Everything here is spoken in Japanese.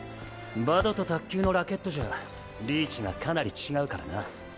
バドと卓球のラケットじゃリーチがかなり違うからな。